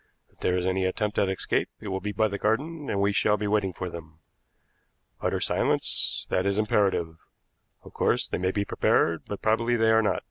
If there is any attempt at escape it will be by the garden, and we shall be waiting for them. Utter silence; that is imperative. Of course, they may be prepared, but probably they are not.